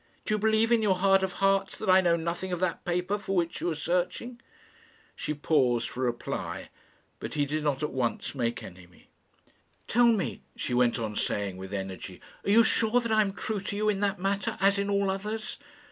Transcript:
Do you believe in your heart of hearts that I know nothing of that paper for which you are searching?" She paused for a reply, but he did not at once make any. "Tell me," she went on saying, with energy, "are you sure that I am true to you in that matter, as in all others?